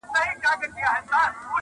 د وزر او د لکۍ په ننداره سو.!